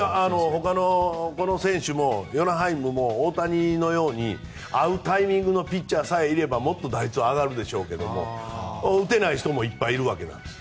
ほかの選手もヨナ・ハイムも大谷のように合うタイミングのピッチャーさえいればもっと打率は上がるでしょうけども打てない人もいっぱいいるわけなんです。